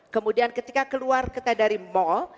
kemudian ketika keluar kita dari mal